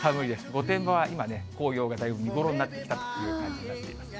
御殿場は今ね、紅葉が見頃になってきたという感じになっています。